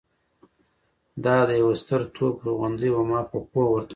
دا د یوه ستر توپ توغندۍ وه. ما په پوهه ورته وویل.